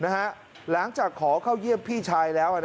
หลังจากขอเข้าเยี่ยมพี่ชายแล้ว